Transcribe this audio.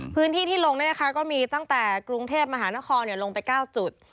พื้นที่ที่ลงก็มีตั้งแต่กรุงเทพมหานครลงไป๙จุด